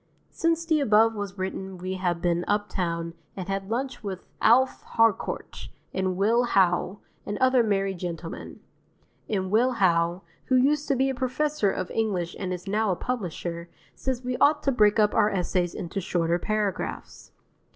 Since the above was written we have been uptown and had lunch with Alf Harcourt and Will Howe and other merry gentlemen; and Will Howe, who used to be a professor of English and is now a publisher, says we ought to break up our essays into shorter paragraphs.